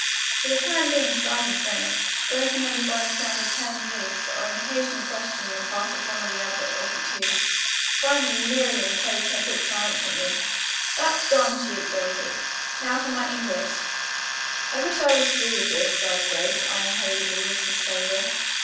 For the time being silence reigned, broken only by the sound of turning leaves or an occasional question on the part of one or the other of the two. Finally Miriam closed her book triumphantly. "That's done," she exulted. "Now for my English." "I wish I was through with this," sighed Grace, eyeing her Livy with disfavor.